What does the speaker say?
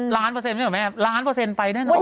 ร้านเปอร์เซ็นต์ไม่รู้ไหมร้านเปอร์เซ็นต์ไปแน่นอน